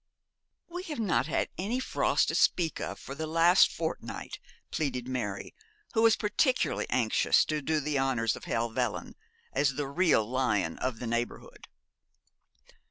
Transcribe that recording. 'We have not had any frost to speak of for the last fortnight,' pleaded Mary, who was particularly anxious to do the honours of Helvellyn, as the real lion of the neighbourhood.